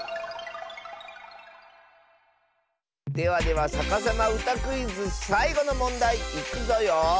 ではでは「さかさまうたクイズ」さいごのもんだいいくぞよ。